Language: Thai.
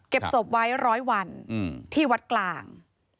เก็บศพไว้๑๐๐วันที่วัดกลาง